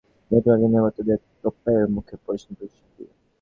হ্যাকিংয়ে অর্থ চুরির ঘটনায় নেটওয়ার্কের নিরাপত্তা নিয়ে তোপের মুখে পড়েছে প্রতিষ্ঠানটি।